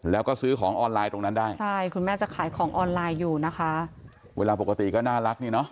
แล้วก็ซื้อของออนไลน์ตรงนั้นได้ใช่คุณแม่จะขายของออนไลน์อยู่นะคะเวลาปกติก็น่ารักนี่เนอะ